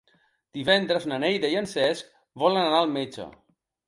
Divendres na Neida i en Cesc volen anar al metge.